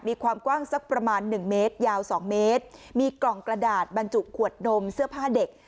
มีความกว้างสักประมาณหนึ่งเมตรยาวสองเมตรมีกล่องกระดาษบรรจุขวดนมเสื้อผ้าเด็ก